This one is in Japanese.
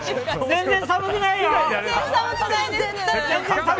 全然寒くないよ！